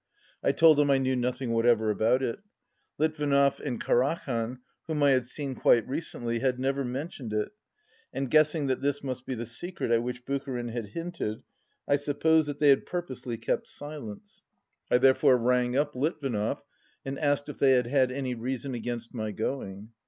I told him I knew nothing whatever about it; Litvinov and Karakhan, whom I had seen quite recently, had never mentioned it, and guessing that this must be the secret at which Bucharin had hinted, I supposed that they had purposely kept silence. 213 I therefore rang up Litvinov, and asked if they had had any reason against my going.